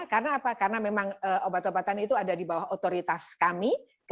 karena apa karena memang obat obatan itu ada di bawah otoritas kami